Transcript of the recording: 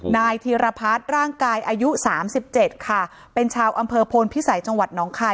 นายธีรพัฒน์ร่างกายอายุสามสิบเจ็ดค่ะเป็นชาวอำเภอโพนพิสัยจังหวัดน้องคาย